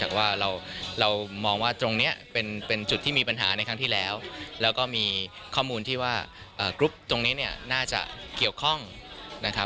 จากว่าเรามองว่าตรงนี้เป็นจุดที่มีปัญหาในครั้งที่แล้วแล้วก็มีข้อมูลที่ว่ากรุ๊ปตรงนี้เนี่ยน่าจะเกี่ยวข้องนะครับ